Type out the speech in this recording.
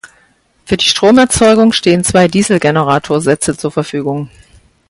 Für die Stromerzeugung stehen zwei Dieselgeneratorsätze zur Verfügung.